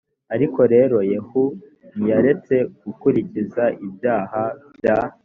ariko rero yehu ntiyaretse gukurikiza ibyaha bya